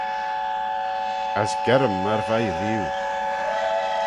As gerrym myr v'ee rieau.